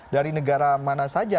dari negara mana saja